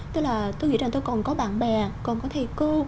tức là tôi nghĩ rằng tôi còn có bạn bè còn có thầy cô